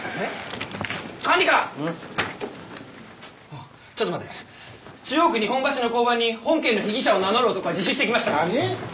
おちょっと待て中央区日本橋の交番に本件の被疑者を名乗る男が自首してきましたなに？